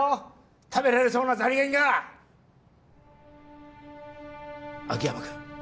食べられそうなザリガニが秋山君